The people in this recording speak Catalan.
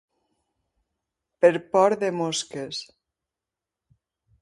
Per por de mosques.